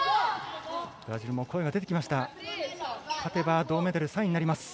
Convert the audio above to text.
ブラジルも声が出てきました。